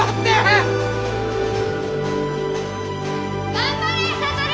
頑張れ！